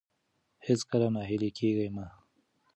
هېڅکله ناهيلي کېږئ مه.